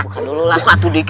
buka dulu lah